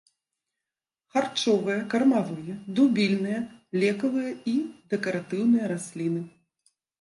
Харчовыя, кармавыя, дубільныя, лекавыя і дэкаратыўныя расліны.